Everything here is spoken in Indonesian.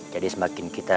jadi semakin kita